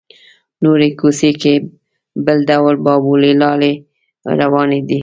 نورې کوڅې کې بل ډول بابولالې روانې دي.